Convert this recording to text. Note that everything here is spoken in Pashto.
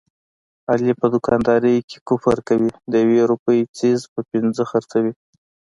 علي په دوکاندارۍ کې کفر کوي، د یوې روپۍ څیز په پینځه خرڅوي.